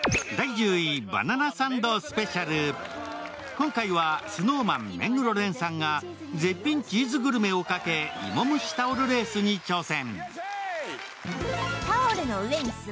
今回はＳｎｏｗＭａｎ・目黒蓮さんが絶品チーズグルメをかけいもむしタオルレースに挑戦。